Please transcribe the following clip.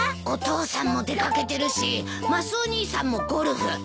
お父さんも出掛けてるしマスオ兄さんもゴルフ。